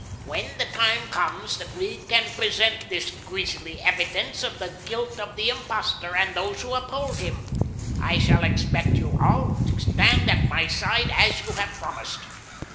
When the time comes that we can present this grisly evidence of the guilt of the impostor and those who uphold him, I shall expect you all to stand at my side, as you have promised."